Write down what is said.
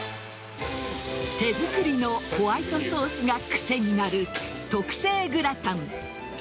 手作りのホワイトソースが癖になる特製グラタン。